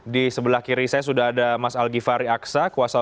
di sebelah kiri saya sudah ada mas algifari aksa